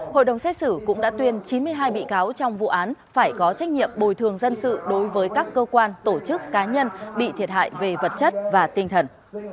hội đồng xét xử cũng đã tuyên chín mươi hai bị cáo trong vụ án phải có trách nhiệm bồi thường dân sự đối với các cơ quan tổ chức cá nhân bị thiệt hại về vật chất và tinh thần